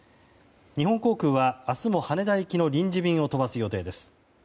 日本航空は、明日も羽田行きの臨時便を飛ばす予定です。